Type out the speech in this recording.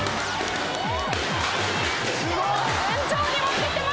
すごい！